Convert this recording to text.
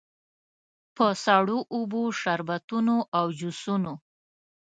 په سړو اوبو، شربتونو او جوسونو.